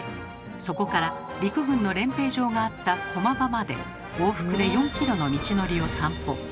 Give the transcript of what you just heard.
そこから陸軍の練兵場があった駒場まで往復で４ｋｍの道のりを散歩。